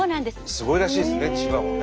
すごいらしいですよね千葉もね。